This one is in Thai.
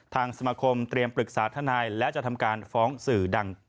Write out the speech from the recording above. ทางสมาคมเตรียมปรึกษาทนายและจะทำการฟ้องสื่อดัง